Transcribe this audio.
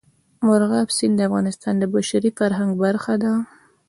مورغاب سیند د افغانستان د بشري فرهنګ برخه ده.